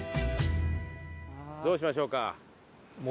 どうしましょうか？